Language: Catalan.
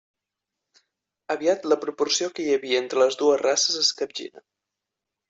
Aviat la proporció que hi havia entre les dues races es capgira.